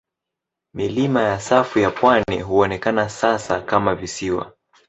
Milima ya safu ya pwani huonekana sasa kama visiwa.